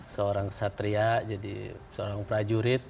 seorang satria jadi seorang prajurit